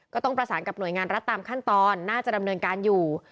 ก็ต้องประสานกับหน่วยงานรัฐตามขั้นตอนน่าจะดำเนินการอยู่